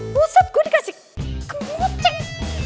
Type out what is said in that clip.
buset gue dikasih kemocek